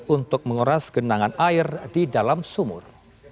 untuk menguras genangan air di dalam sumur